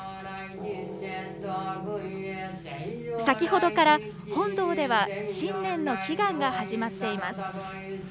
先ほどから本堂では新年の祈願が始まっています。